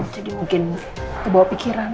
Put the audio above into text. jadi mungkin kebawa pikiran